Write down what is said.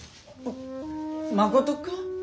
まことか？